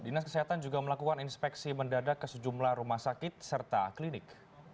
dinas kesehatan juga melakukan inspeksi mendadak ke sejumlah rumah sakit serta klinik